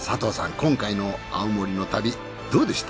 今回の青森の旅どうでした？